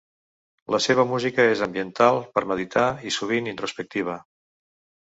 La seva música és ambiental, per meditar i sovint introspectiva.